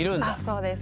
そうです。